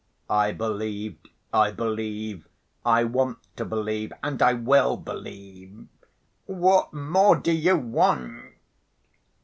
"I believed, I believe, I want to believe, and I will believe, what more do you want?"